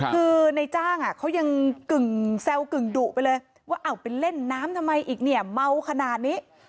คือในจ้างเขายังกึ่งแซวกึ่งดุไปเลยว่าเอาไปเล่นน้ำทำไมอีกเนี่ยเมาขนาดนี้